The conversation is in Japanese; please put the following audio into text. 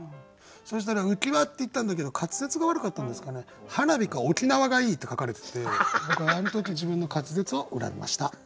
そしたら「うきわ」って言ったんだけど滑舌が悪かったんですかね「はなび」か「おきなわ」がいいって書かれてて僕あの時自分の滑舌を恨みました。